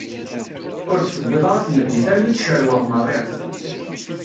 Ur d-tewwiḍ ara tmeddit armi i tt-cerweɣ merriɣet.